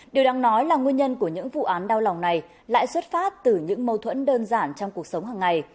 điều đáng nói là nguyên nhân của những vụ án đau lòng này lại xuất phát từ những mâu thuẫn đơn giản trong cuộc sống hàng ngày